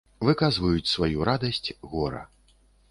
Выказваюць сваю радасць, гора.